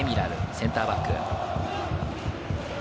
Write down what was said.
センターバック。